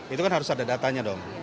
itu kan harus ada datanya dong